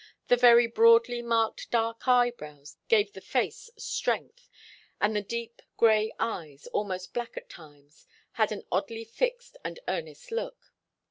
The very broadly marked dark eyebrows gave the face strength, and the deep grey eyes, almost black at times, had an oddly fixed and earnest look.